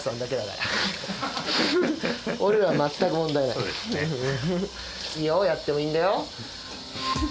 いいよやってもいいんだよ。